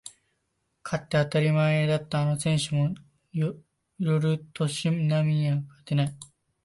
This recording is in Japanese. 勝って当たり前だったあの選手も寄る年波には勝てない